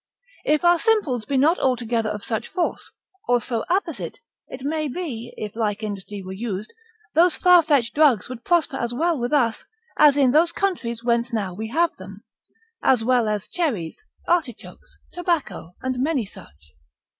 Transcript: If our simples be not altogether of such force, or so apposite, it may be, if like industry were used, those far fetched drugs would prosper as well with us, as in those countries whence now we have them, as well as cherries, artichokes, tobacco, and many such.